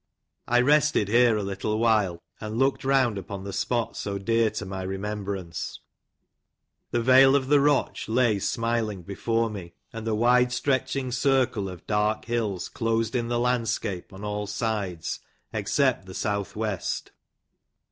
I rested here a little while, and looked round upon the spot so dear to 1113' remembrance. The vale of the Roch lay smiling before me, and the wide stretching circle of dark hills closed in the landscape, on all sides, except the south west.